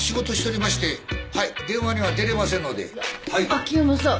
秋山さん。